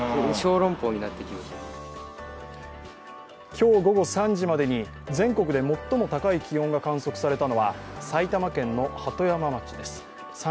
今日午後３時までに全国で最も高い気温が観測されたのは埼玉県の鳩山町です。